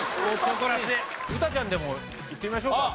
歌ちゃんでもいってみましょうか？